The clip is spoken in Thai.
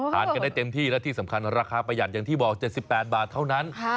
กันได้เต็มที่และที่สำคัญราคาประหยัดอย่างที่บอก๗๘บาทเท่านั้น